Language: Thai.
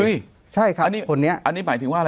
เฮ้ยใช่ค่ะคนเนี้ยอันนี้หมายถึงว่าอะไร